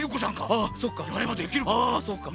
あそっか。